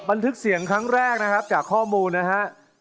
บันทึกเสียงครั้งแรกนะครับจากข้อมูลนะฮะ